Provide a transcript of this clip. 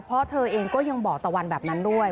เพราะเธอเองก็ยังบอกตะวันแบบนั้นด้วย